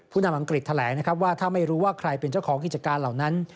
นำอังกฤษแถลงนะครับว่าถ้าไม่รู้ว่าใครเป็นเจ้าของกิจการเหล่านั้น